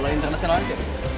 kalau internasional aja